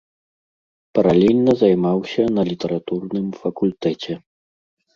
Паралельна займаўся на літаратурным факультэце.